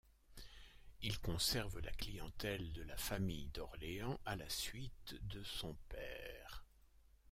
Il conserve la clientèle de la famille d'Orléans à la suite de son père.